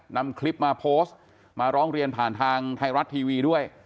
นำคลิปมาโพสต์มาร้องเรียนผ่านทางไทยรัฐทีวีด้วย